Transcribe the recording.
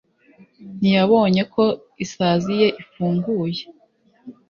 ntiyabonye ko isazi ye ifunguye.